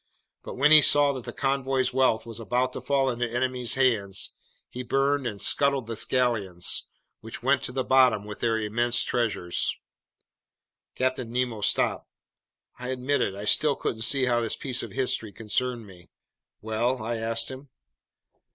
But when he saw that the convoy's wealth was about to fall into enemy hands, he burned and scuttled the galleons, which went to the bottom with their immense treasures." Captain Nemo stopped. I admit it: I still couldn't see how this piece of history concerned me. "Well?" I asked him.